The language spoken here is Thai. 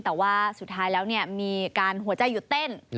แต่ว่าสุดท้ายแล้วมีการหัวใจหยุดเต้น